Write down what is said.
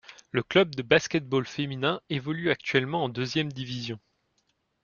Le club de basket-ball féminin évolue actuellement en Deuxième division.